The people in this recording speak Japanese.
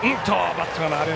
バットが回る。